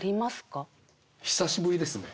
久しぶりですね。